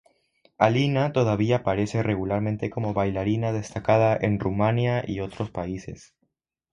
Alina todavía aparece regularmente como bailarina destacada en Rumania y otros países.